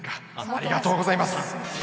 ありがとうございます。